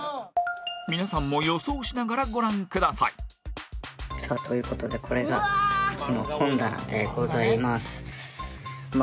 皆さんも予想しながらご覧くださいさあという事でこれがうちの本棚でございます。